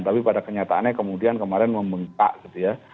tapi pada kenyataannya kemudian kemarin membengkak gitu ya